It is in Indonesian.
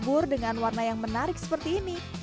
bubur dengan warna yang menarik seperti ini